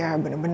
aku mau nggak